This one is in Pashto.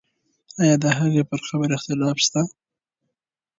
آیا د هغې پر قبر اختلاف شته؟